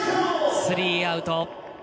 スリーアウト。